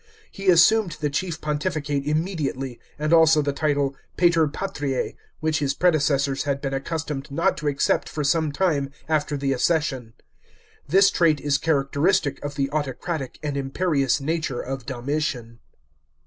He assumed the chief Pontificate immediately, and also the title Pater Patrias, which his predecessors had been accustomed not to accept for some time after the accession. This trait is characteristic of the autocratic and imperious nature of Domitian.